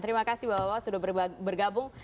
terima kasih bahwa sudah bergabung